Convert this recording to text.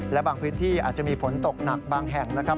และบางพื้นที่อาจจะมีฝนตกหนักบางแห่งนะครับ